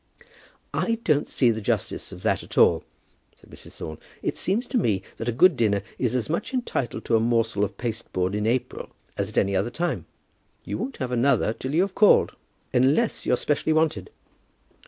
"I don't see the justice of that at all," said Mrs. Thorne. "It seems to me that a good dinner is as much entitled to a morsel of pasteboard in April as at any other time. You won't have another till you have called, unless you're specially wanted."